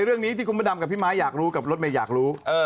เรื่องนี้ที่คุณพระดำกับพี่ม้าอยากรู้กับรถเมย์อยากรู้